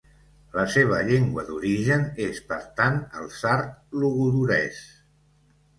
La seva llengua d'origen és, per tant, el sard logudorès.